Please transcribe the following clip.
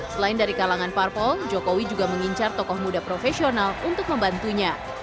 selain dari kalangan parpol jokowi juga mengincar tokoh muda profesional untuk membantunya